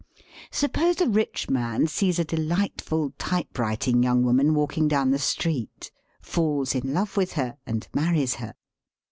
Suppose a rich man sees a delightful typewriting young woman walking down the street, falls in love with her, and marries her.